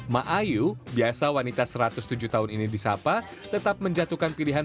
ma ayu biasa wanita satu ratus tujuh tahun ini disapa tetap menjatuhkan pilihan